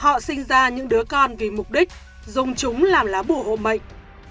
họ sinh ra những đứa con vì mục đích dùng chúng làm lá bù mệnh